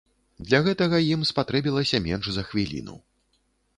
Для гэтага ім спатрэбілася менш за хвіліну.